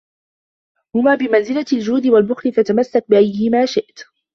هُمَا بِمَنْزِلَةِ الْجُودِ وَالْبُخْلِ فَتَمَسَّكْ بِأَيِّهِمَا شِئْتَ